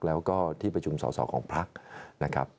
แล้วก็ที่ประชุมสอสอของพักนะครับ